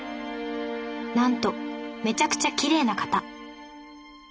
なんとめちゃくちゃきれいな方！